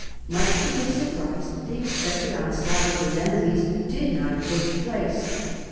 Much to his surprise, the expected onslaught of his enemies did not take place.